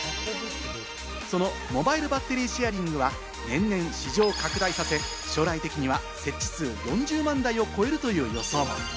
そのモバイルバッテリーシェアリングは年々市場を拡大させ、将来的には設置数４０万台を超えるという予想も。